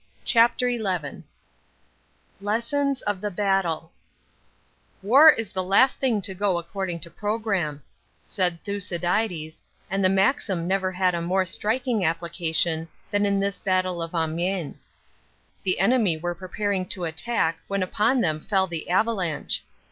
CHAPTER XI LESSONS OF THE BATTLE WAR is the last thing to go according to programme," said Thucydides, and the maxim never had a more striking application than in this battle of Amiens. The enemy were preparing to attack when upon them fell the avalanche.